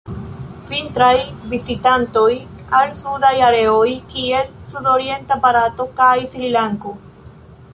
Vintraj vizitantoj al sudaj areoj kiel sudorienta Barato kaj Srilanko.